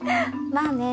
まあね。